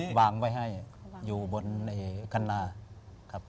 เขาบอกว่าวางไว้ให้อยู่บนคันนา